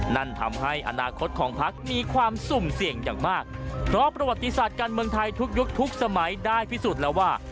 นั่นทำให้อนาคตของพักมีความสุ่มเสี่ยงอย่างมากเพราะประวัติศาสตร์การเมืองไทยทุกยุคทุกสมัยได้พิสูจน์แล้วว่า